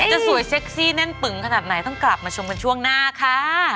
จะสวยเซ็กซี่แน่นปึงขนาดไหนต้องกลับมาชมกันช่วงหน้าค่ะ